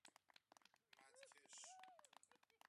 مدکش